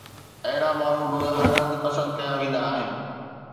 اهڙا ماڻهو به هر هنڌ پسند ڪيا ويندا آهن